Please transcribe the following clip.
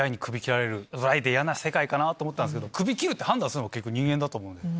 嫌な世界かなと思ったんすけどクビ切るって判断するのは結局人間だと思うんで。